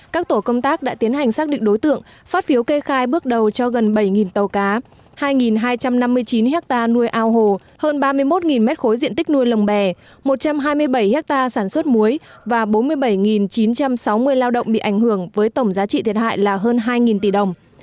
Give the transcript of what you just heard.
các tổ công tác đã tiến hành xác định đối tượng phát phiếu kê khai bước đầu cho gần bảy tàu cá hai hai trăm năm mươi chín ha nuôi ao hồ hơn ba mươi một m ba diện tích nuôi lồng bè một trăm hai mươi bảy ha sản xuất muối và bốn mươi bảy chín trăm sáu mươi lao động bị ảnh hưởng với tổng giá trị thiệt hại là hơn hai tỷ đồng